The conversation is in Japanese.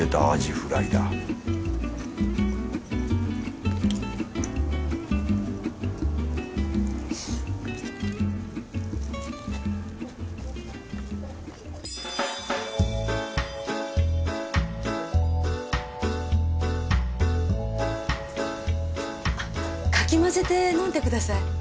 あっかき混ぜて飲んでください。